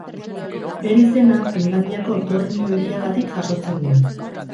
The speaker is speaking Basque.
Bere izena Finlandiako Tornio hiriagatik jasotzen du.